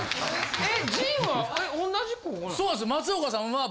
・えっ！？